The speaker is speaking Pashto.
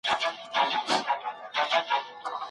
ړوند ښوونکي تر نورو په ګڼ ځای کي اوږده کیسه ښه کوي.